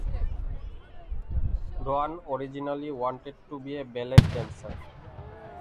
Dwan originally wanted to be a ballet dancer.